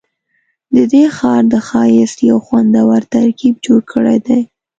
ددې ښار د ښایست یو خوندور ترکیب جوړ کړی دی.